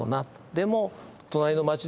でも。